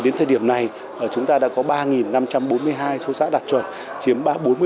đến thời điểm này chúng ta đã có ba năm trăm bốn mươi hai số xã đạt chuẩn chiếm bốn mươi